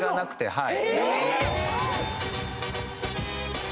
はい。